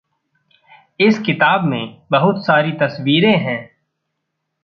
इस किताब में बहुत सारी तस्वीरें हैं।